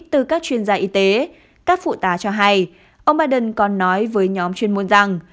từ các chuyên gia y tế các phụ tá cho hay ông biden còn nói với nhóm chuyên môn rằng